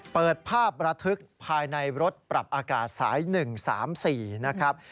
เปิดภาพระทึกภายในรถปรับอากาศสาย๑๓๔นะครับ